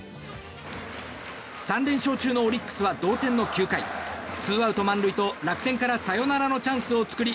３連勝中のオリックスは同点の９回ツーアウト満塁と楽天からサヨナラのチャンスを作り